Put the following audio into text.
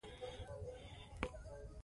کیمیاګر د ریکارډ لرونکو کتابونو په ډله کې دی.